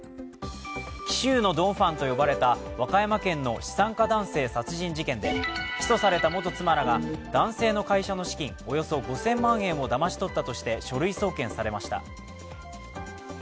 紀州のドン・ファンと呼ばれた和歌山県の資産家男性殺人事件で、起訴された元妻らが男性の会社の資金、およそ５０００万円をだまし取ったとして書類送検されました。